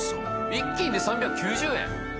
１斤で３９０円？